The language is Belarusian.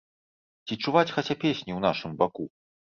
Ці чуваць хаця песні ў нашым баку?